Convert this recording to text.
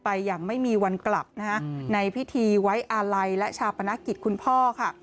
อย่างไม่มีวันกลับนะฮะในพิธีไว้อาลัยและชาปนกิจคุณพ่อค่ะ